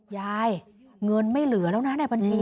ยายเงินไม่เหลือแล้วนะในบัญชี